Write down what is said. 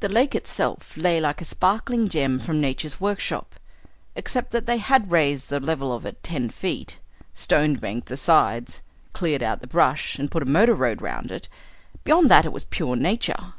The lake itself lay like a sparkling gem from nature's workshop except that they had raised the level of it ten feet, stone banked the sides, cleared out the brush, and put a motor road round it. Beyond that it was pure nature.